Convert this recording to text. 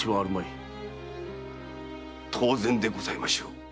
当然でございましょう。